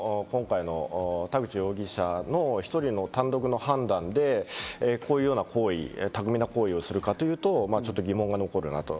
２４歳の今回の田口容疑者の１人の単独の判断でこういうような行為、巧みな行為をするかというとちょっと疑問が残るなと。